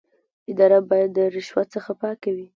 اداره باید د رشوت څخه پاکه وي.